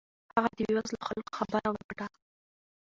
هغه د بې وزلو خلکو خبره وکړه.